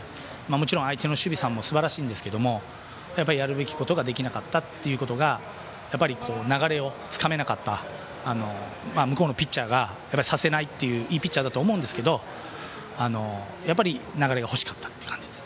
もちろん相手の守備さんもすばらしいんですけどやるべきことができなかったということがやっぱり流れをつかめなかった向こうのピッチャーがさせないっていういいピッチャーだと思うんですがやっぱり流れがほしかったと。